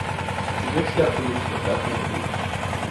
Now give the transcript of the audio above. It’s a good step to reach a professional team.